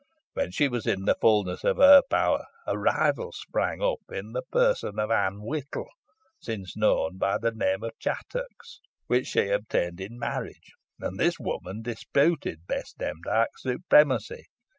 When she was in the fulness of her power, a rival sprang up in the person of Anne Whittle, since known by the name of Chattox, which she obtained in marriage, and this woman disputed Bess Demdike's supremacy.